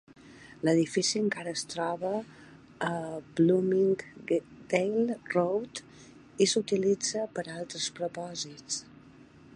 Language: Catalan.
L'edifici encara es troba a Bloomingdale Road i s'utilitza per a altres propòsits.